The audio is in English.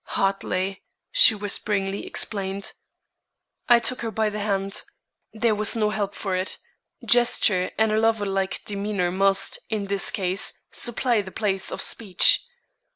"Hartley," she whisperingly explained. I took her by the hand; there was no help for it; gesture and a lover like demeanor must, in this case, supply the place of speech.